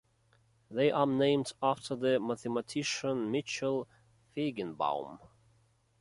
They are named after the mathematician Mitchell Feigenbaum.